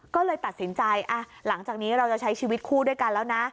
ก็เลยตัดสินใจหลังจากนี้เราจะใช้ชีวิตคู่ด้วยกันแล้วนะ